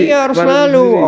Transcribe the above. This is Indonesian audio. iya harus selalu